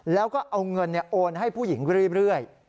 แล้วก็เอาเงินโอนให้ผู้หญิงเรื่อย